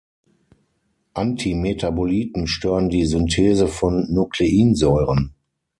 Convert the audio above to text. Antimetaboliten stören die Synthese von Nukleinsäuren.